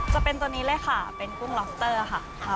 จะเป็นตัวนี้เลยค่ะเป็นกุ้งล็อบสเตอร์ค่ะ